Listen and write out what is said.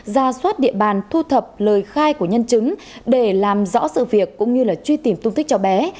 ra soát địa bàn thu thập lời khai của nhân chứng để làm rõ sự việc cũng như truy tìm tung tích cho bé